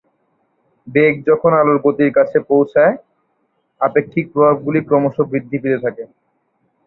বেগ যখন আলোর গতির কাছাকাছি পৌছায়, আপেক্ষিক প্রভাবগুলি ক্রমশ বৃদ্ধি পেতে থাকে।